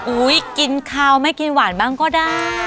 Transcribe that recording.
กินข้าวไม่กินหวานบ้างก็ได้